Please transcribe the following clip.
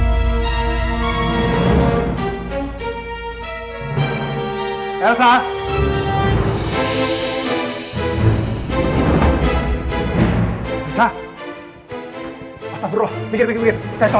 dan pastikan kalau itu tidak dikiatukan